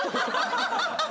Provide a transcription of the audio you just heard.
ハハハハ！